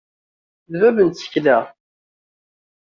D bab n tsekla.